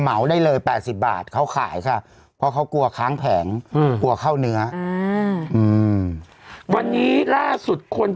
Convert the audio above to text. เหมาได้เลย๘๐บาทเขาขายค่ะเพราะเขากลัวค้างแผงอืมกลัว